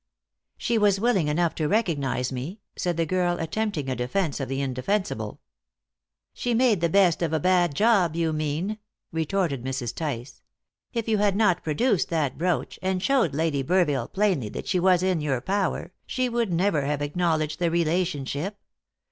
"She was willing enough to recognise me," said the girl, attempting a defence of the indefensible. "She made the best of a bad job, you mean," retorted Mrs. Tice. "If you had not produced that brooch, and showed Lady Burville plainly that she was in your power, she would never have acknowledged the relationship.